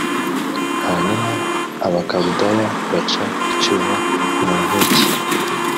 hanyuma abakaludaya baca icyuho mu nkike